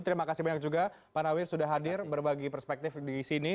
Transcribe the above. terima kasih banyak juga pak nawir sudah hadir berbagi perspektif di sini